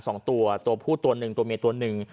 สองตัวตัวผู้ตัวหนึ่งตัวเมียตัวหนึ่ง